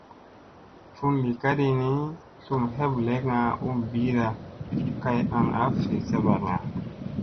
Fun li kaɗi ni, tlum heɓlekga u ɓiida kay aŋ a fi saɓakga.